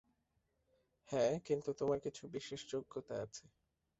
হ্যাঁ, কিন্তু তোমার কিছু বিশেষ যোগ্যতা আছে।